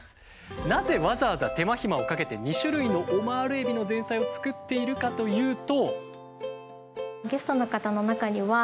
なぜわざわざ手間ひまをかけて２種類のオマールエビの前菜を作っているかというと。